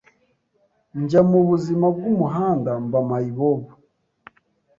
njya mu buzima bw’umuhanda mba mayibobo